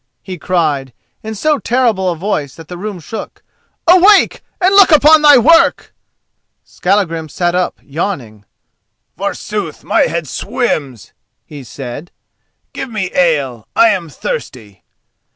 he cried, in so terrible a voice that the room shook. "Awake, and look upon thy work!" Skallagrim sat up, yawning. "Forsooth, my head swims," he said. "Give me ale, I am thirsty."